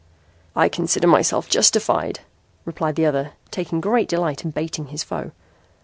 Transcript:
"I consider myself justified," replied the other, taking great delight in baiting his foe.